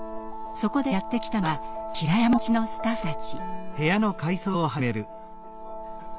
そこでやって来たのはひらやまのお家のスタッフたち。